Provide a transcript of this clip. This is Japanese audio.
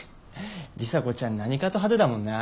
里紗子ちゃん何かと派手だもんな。